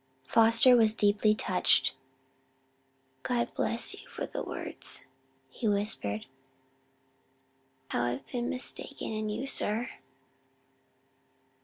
Foster was deeply touched. "God bless you for the words," he whispered. "How I've been mistaken in you, sir!"